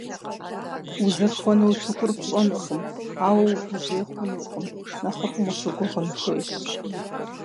Узэрыхуэну утыкур пщӏэнукъым, ауэ угужьей хъунукъым, нэхъыфӏым ущыгугъын хуейщ.